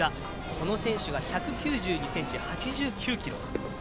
この選手が１９２ｃｍ、８９ｋｇ。